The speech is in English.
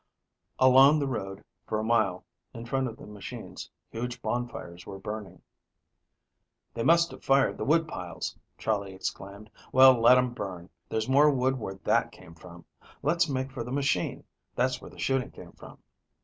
Along the road for a mile in front of the machine, huge bonfires were burning. "They have fired the woodpiles!" Charley exclaimed. "Well, let 'em burn. There's more wood where that came from. Let's make for the machine; that's where the shooting came from."